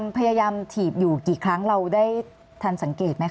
พยายามถีบอยู่กี่ครั้งเราได้ทันสังเกตไหมค